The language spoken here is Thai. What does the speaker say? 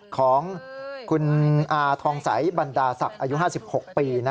ของคุณอาทองใสบรรดาศักดิ์อายุ๕๖ปี